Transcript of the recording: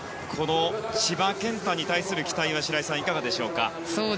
千葉健太に対する期待は白井さん、いかがですか。